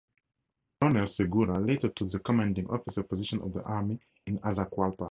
Coronel Segura later took the commanding officer position of the army in Azacualpa.